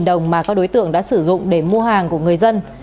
năm trăm linh đồng mà các đối tượng đã sử dụng để mua hàng của người dân